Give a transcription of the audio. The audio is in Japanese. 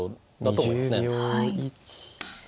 はい。